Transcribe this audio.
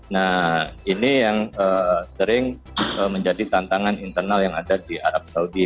nah ini yang sering menjadi tantangan internal yang ada di arab saudi